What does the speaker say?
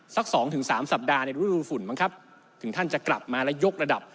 สัก๒๓สัปดาห์ในฤดูฝุ่นบ้างครับถึงท่านจะกลับมาและยกระดับ